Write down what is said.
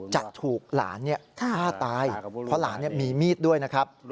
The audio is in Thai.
จะถูกหลานฆ่าตายเพราะหลานมีมีดด้วยนะครับ